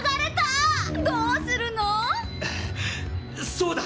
そうだ！